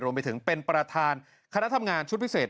รวมไปถึงเป็นประธานคณะทำงานชุดพิเศษ